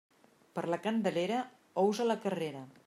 Per la Candelera, ous a la carrera.